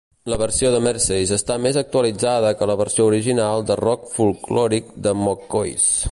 La versió de Merseys està més actualitzada que la versió original de rock folklòric de McCoys.